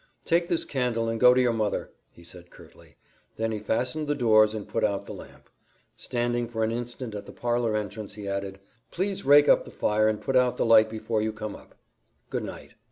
"Take this candle and go to your mother," he said curtly. Then he fastened the doors and put out the lamp. Standing for an instant at the parlor entrance, he added, "Please rake up the fire and put out the light before you come up. Good night."